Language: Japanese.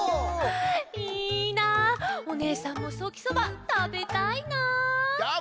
いいなあおねえさんもソーキそばたべたいな。